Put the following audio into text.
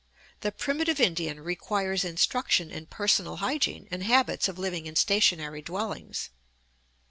The primitive Indian requires instruction in personal hygiene and habits of living in stationary dwellings.